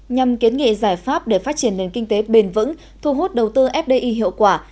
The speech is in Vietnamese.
nhằm kiến nghị giải pháp để phát triển nền kinh tế bền vững thu hút đầu tư fdi hiệu quả